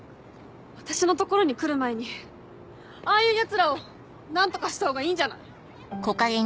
私の所に来る前にああいうヤツらを何とかした方がいいんじゃない？